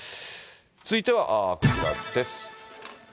続いてはこちらです。